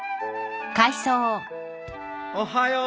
おはよう